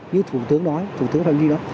như thủ tướng nói thủ tướng phạm duy nói